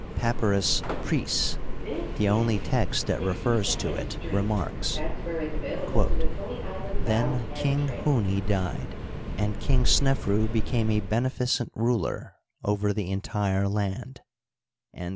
" Papyrus Prisse," the only text that refers to it, remarks :Then King Huni died, and King Snefru became a benefi cent ruler over the entire land."